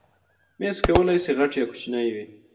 مېز کولی شي غټ یا کوچنی وي.